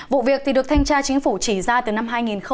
vụ việc thì được thanh tra chính phủ chỉ ra từ năm hai nghìn một mươi